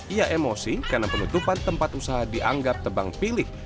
ia emosi karena penutupan tempat usaha dianggap tebang pilih